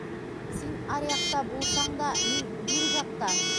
Син аръяҡта булсаң да, мин бир жаҡта